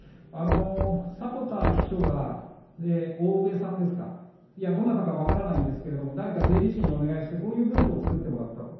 迫田秘書が、おうえさんですか、いや、どなたか分からないんですけれども、誰か税理士にお願いをして、こういう文書をつくってもらったと。